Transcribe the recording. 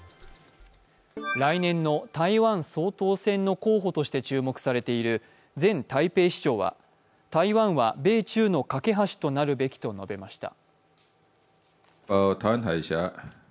来年の台湾総統選の候補として注目されている前台北市長は、台湾は米中の架け橋となるべきと述べました。